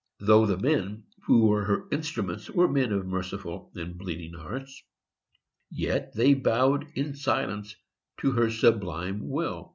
Though the men who were her instruments were men of merciful and bleeding hearts, yet they bowed in silence to her sublime will.